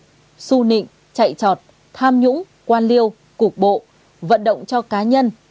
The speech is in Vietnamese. tham vọng quyền lực su nịnh chạy trọt tham nhũng quan liêu cục bộ vận động cho cá nhân